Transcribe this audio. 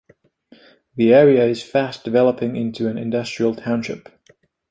The area is fast developing into an industrial township.